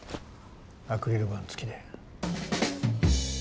アクリル板付きで。